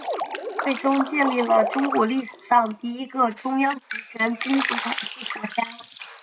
最终建立了中国历史上第一个中央集权君主统治国家。